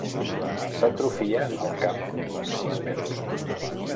S'atrofia al cap d'uns sis mesos.